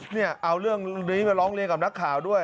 เนี่ยเอาเรื่องนี้มาร้องเรียนกับนักข่าวด้วย